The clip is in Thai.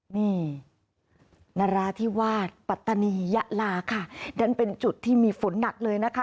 นี่นราธิวาสปัตตานียะลาค่ะนั่นเป็นจุดที่มีฝนหนักเลยนะคะ